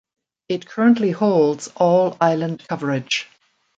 It currently holds all island coverage.